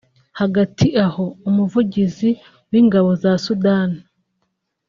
Hagati aho umuvugizi w’ingabo za Sudani